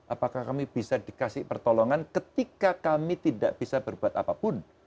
apakah kami bisa dikasih pertolongan ketika kami tidak bisa berbuat apapun